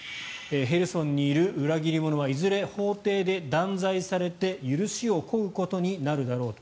ヘルソンにいる裏切り者はいずれ法廷で断罪されて許しを請うことになるだろう